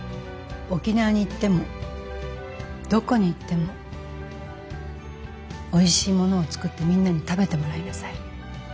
沖縄に行ってもどこに行ってもおいしいものを作ってみんなに食べてもらいなさい。